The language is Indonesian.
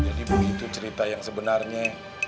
jadi begitu cerita yang sebenarnya